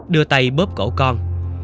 đưa tay bóp cổ con